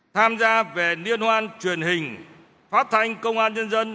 tham gia về liên hoan truyền hình phát thanh công an nhân dân